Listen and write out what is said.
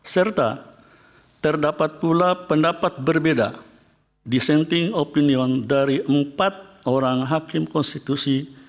serta terdapat pula pendapat berbeda dissenting opinion dari empat orang hakim konstitusi